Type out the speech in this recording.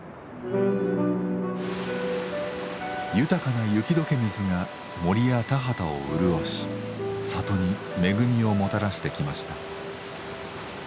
豊かな雪どけ水が森や田畑を潤し里に恵みをもたらしてきました。